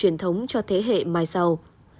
truyền thống cho thế hệ mai sau